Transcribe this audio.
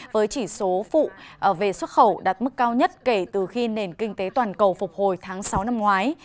với chỉ số phụ về xuất khẩu đạt mức cao nhất kể từ khi nền kinh tế toàn cầu phục hồi tháng sáu năm ngoái